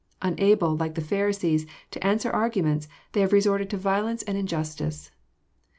Unable, like the Pharisees, to answer arguments, they have resorted to vio« lence and injustice.